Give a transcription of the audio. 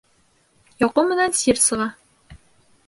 Йоҡо менән сир сыға.